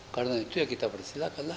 karena itu ya kita bersilakanlah